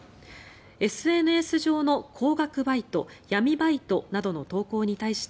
ＳＮＳ上の「高額バイト」「闇バイト」などの投稿に対して